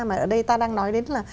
mà ở đây ta đang nói đến là